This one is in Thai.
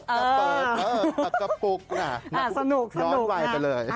ปากกะเปิดปากกะปุกน่ะนอนวายไปเลย